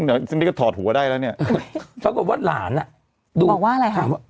ซึ่งซึ่งนี่ก็ถอดหัวได้แล้วเนี้ยเขาก็บอกว่าหลานอ่ะบอกว่าอะไรค่ะ